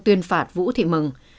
tuyên phạt vũ thị mừng